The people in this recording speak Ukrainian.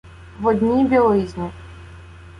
в одній білизні.